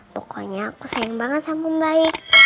pokoknya aku sayang banget sama om baik